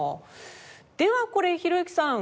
ではこれひろゆきさん